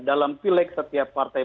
dalam pileg setiap partai